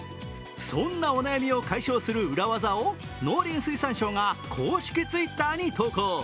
そんなお悩みを解消する裏技を農林水産省が公式Ｔｗｉｔｔｅｒに投稿。